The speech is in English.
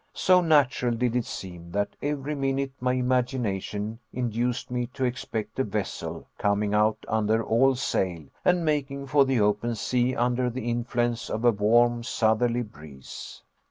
So natural did it seem, that every minute my imagination induced me to expect a vessel coming out under all sail and making for the open sea under the influence of a warm southerly breeze.